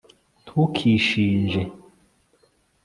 ntukishinje